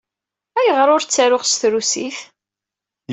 Ayɣer ur ttaruɣ s trusit?